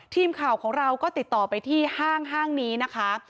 ทีมข่าวของเราก็ติดต่อไปที่ห้างนี้นะคะ